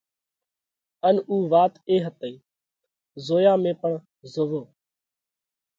ان اُو وات اي هتئِي: “زويا ۾ پڻ زووَو۔”